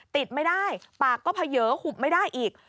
ติดไม่ได้ปากก็เผยหุบไม่ได้อีก